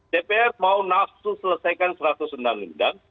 dpr mau nafsu selesaikan seratus undang undang